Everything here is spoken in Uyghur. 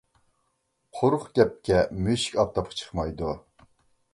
قۇرۇق گەپكە مۈشۈك ئاپتاپقا چىقمايدۇ.